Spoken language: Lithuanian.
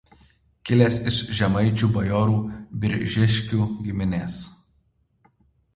Kilęs iš žemaičių bajorų Biržiškų giminės.